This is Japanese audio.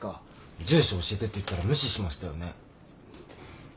住所教えてって言ったら無視しましたよね？